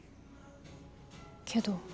けど？